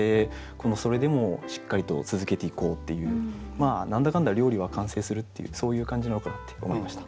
このそれでもしっかりと続けていこうっていう何だかんだ料理は完成するっていうそういう感じなのかなって思いました。